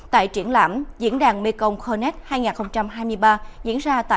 tại triển lãm diễn đàn mekong connect hai nghìn hai mươi ba